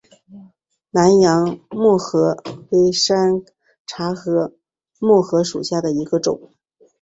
南洋木荷为山茶科木荷属下的一个种。